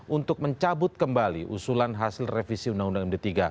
untuk mencabut kembali usulan hasil revisi undang undang md tiga